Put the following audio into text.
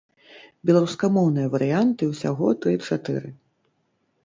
Беларускамоўныя варыянты усяго тры-чатыры.